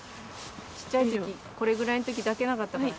ちっちゃいときこれぐらいのとき抱けなかったから。